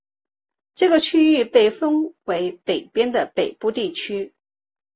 这个区域被分为北边的北部地区。